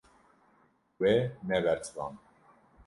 We nebersivand.